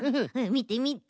みてみて。